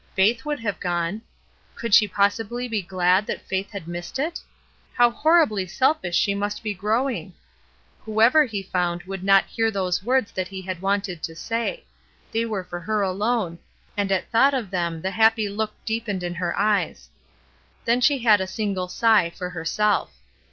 Faith would have gone. Could she possibly be glad that Faith had missed it ? How horribly selfish she must be growing! Whoever he found would not hear those words that he had wanted to say; they were for her alone, and at thought of them the happy look deepened in her eyes. Then she had a little sigh for herself.